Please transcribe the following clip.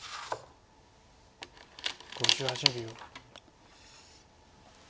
５８秒。